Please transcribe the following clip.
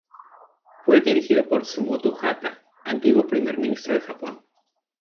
Fue dirigido por Tsutomu Hata, antiguo Primer Ministro de Japón.